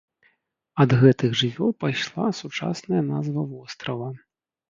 Ад гэтых жывёл пайшла сучасная назва вострава.